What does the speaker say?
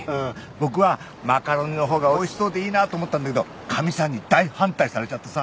僕はマカロニのほうがおいしそうでいいなと思ったんだけどかみさんに大反対されちゃってさ。